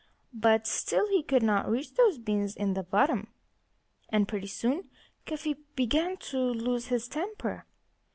But still he could not reach those beans in the bottom. And pretty soon Cuffy began to lose his temper.